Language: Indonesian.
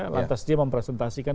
lantas dia mempresentasikan